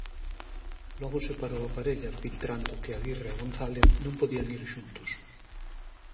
Logo separou a parella filtrando que Aguirre e González non podían ir xuntos.